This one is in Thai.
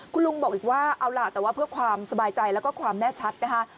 คุณลุงบอกอีกว่าเอาล่ะแต่ว่าเพื่อความสบายใจแล้วก็ความแน่ชัดนะคะ